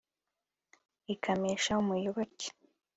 ikamisha umuyoboke